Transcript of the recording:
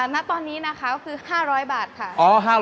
ณตอนนี้นะคะก็คือ๕๐๐บาทค่ะ